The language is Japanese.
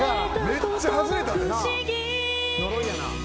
めっちゃ外れたで。